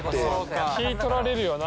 気取られるよな。